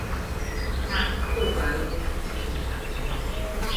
Frank Corbo was the team captain.